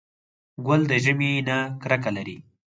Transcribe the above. ګل د ژمي نه کرکه لري.